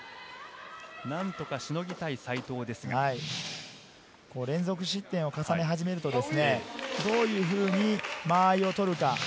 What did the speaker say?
何とか、しのぎ連続失点を重ね始めると、どういうふうに間合いを取るか。